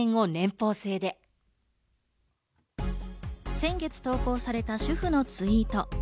先月投稿された主婦のツイート。